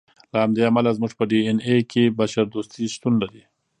له همدې امله زموږ په ډي اېن اې کې بشر دوستي شتون لري.